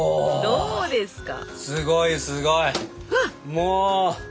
もう！